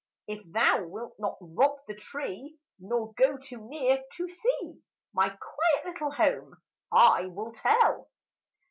"If thou wilt not rob the tree; Nor go too near, to see My quiet little home, I will tell."